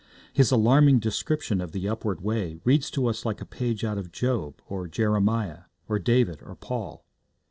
His alarming description of the upward way reads to us like a page out of Job, or Jeremiah, or David, or Paul.